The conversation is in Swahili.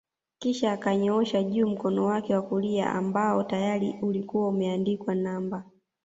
Kisha akanyoosha juu mkono wake wa kulia ambao tayari ulikuwa umeandikwa namba